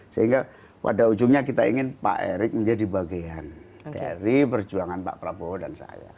sehingga pada ujungnya kita ingin pak erick menjadi bagian dari perjuangan pak prabowo dan saya